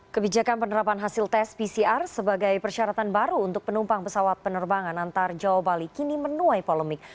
kebijakan penerapan hasil tes pcr sebagai persyaratan baru untuk penumpang pesawat penerbangan antar jawa bali kini menuai polemik